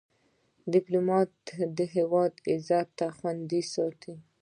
ډيپلومات د هیواد عزت خوندي ساتي.